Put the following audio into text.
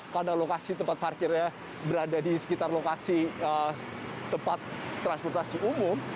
karena lokasi tempat parkirnya berada di sekitar lokasi tempat transportasi umum